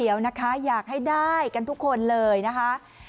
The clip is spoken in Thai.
อยากให้ได้กันทุกคนเลยนะคะ